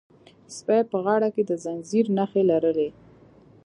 سپي په غاړه کې د زنځیر نښې لرلې.